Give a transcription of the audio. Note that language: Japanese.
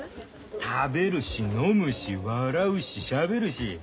食べるし飲むし笑うししゃべるし。